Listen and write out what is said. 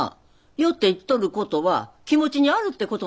酔って言っとることは気持ちにあるってことなんやでな。